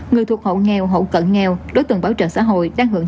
người thuộc hậu nghèo hậu cận nghèo đối tượng bảo trợ xã hội đang hưởng